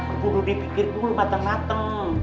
keburu dipikir dulu mateng mateng